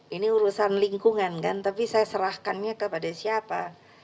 ini urusan lingkungan kan tapi saya serahkannya kepada siapa